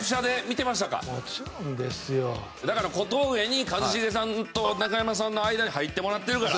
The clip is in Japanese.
だから小峠に一茂さんと中山さんの間に入ってもらってるから。